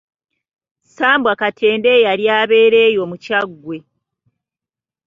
Ssambwa Katenda eyali abeera eyo mu Kyaggwe.